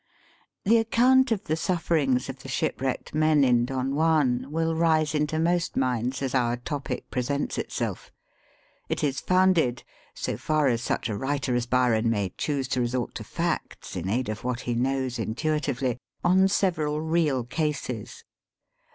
The account of the sufferings of the ship wnvked men, iu DON JUAN, will rise into most, inimls as our topic presents itself. It is founded (so far as such a writer as UYUUN may choose to resort to facts, in aid of what ho knows intuitively), on several real cases.